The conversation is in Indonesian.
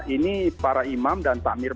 ini para imam dan takmir